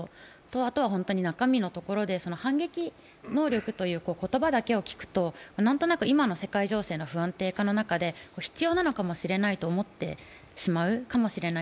あとは中身のところで反撃能力という言葉だけを聞くと、何となく今の世界情勢の不安定化の中で必要なのかもしれないと思ってしまうかもしれない。